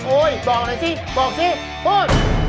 โอ้ยบอกหน่อยสิบอกสิโอ้ย